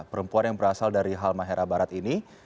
perempuan yang berasal dari halmahera barat ini